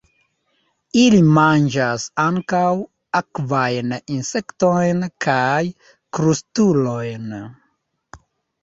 Ili manĝas ankaŭ akvajn insektojn kaj krustulojn.